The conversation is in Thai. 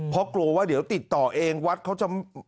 เพราะกลัวว่าเดี๋ยวติดต่อเองวัดเขาจะ